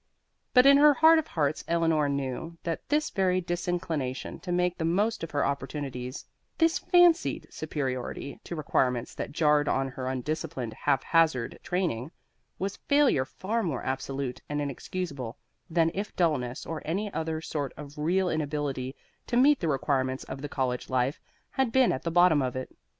But in her heart of hearts Eleanor knew that this very disinclination to make the most of her opportunities, this fancied superiority to requirements that jarred on her undisciplined, haphazard training, was failure far more absolute and inexcusable than if dulness or any other sort of real inability to meet the requirements of the college life had been at the bottom of it.